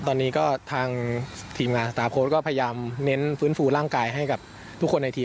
ตอนนี้ก็ทางทีมงานสตาร์โค้ดก็พยายามเน้นฟื้นฟูร่างกายให้กับทุกคนในทีม